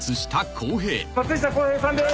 松下洸平さんです。